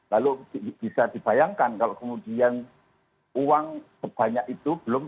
lalu bisa dibayangkan kalau kemudian uang sebanyak itu belum